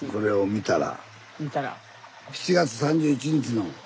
見たら。